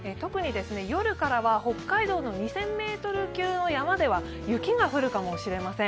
夜からは北海道の２０００ｍ級の山では雪が降るかもしれません。